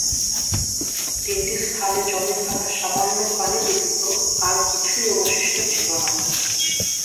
তিনটি স্থানে জমে থাকা সামান্য পানি ব্যতীত আর কিছুই অবশিষ্ট ছিল না।